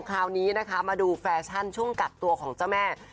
คราวนี้นะคะมาดูแฟชั่นช่วงกักตัวของเจ้าแม่